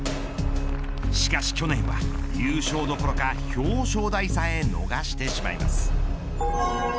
しかし去年は優勝どころか表彰台さえ逃してしまいます。